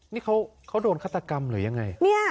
นี่เขาโดนฆาตกรรมหรือยังไง